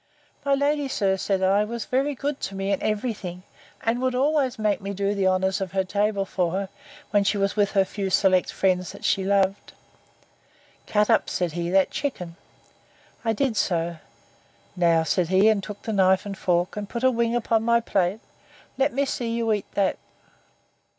My lady, sir, said I, was very good to me in every thing, and would always make me do the honours of her table for her, when she was with her few select friends that she loved. Cut up, said he, that chicken. I did so. Now, said he, and took a knife and fork, and put a wing upon my plate, let me see you eat that.